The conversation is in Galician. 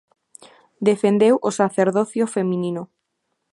Defendeu o sacerdocio feminino.